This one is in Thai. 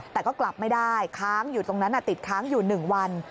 แต่ก็กลับไม่ได้ค้างอยู่ตรงนั้นติดค้างอยู่๑วัน